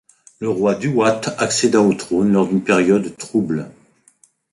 Le roi Duwat accéda au trône lors d'une période trouble.